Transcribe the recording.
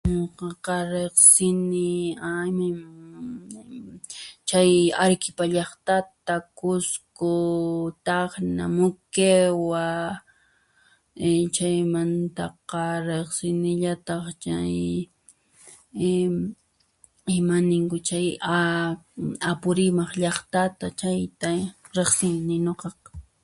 Nuqaqa riqsini {annmm}, chay Arequipa llaqtata, Cusco, Tacna, Moquegua, chaymantaqa riqsinillataq chay imaninkun chay Apurimac llaqtata riqsini nuqaqa.